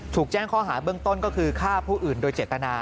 แจ้งข้อหาเบื้องต้นก็คือฆ่าผู้อื่นโดยเจตนา